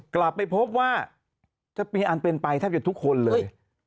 กลับไปพบว่าจะมีอันเป็นไปแทบจะทุกคนเลย